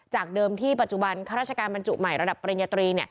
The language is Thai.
เดิมที่ปัจจุบันข้าราชการบรรจุใหม่ระดับปริญญาตรี